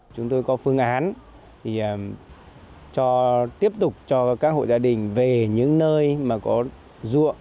chúng tôi có phương án thì tiếp tục cho các hội gia đình về những nơi mà có ruộng